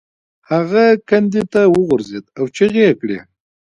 هغه کندې ته وغورځید او چیغې یې کړې.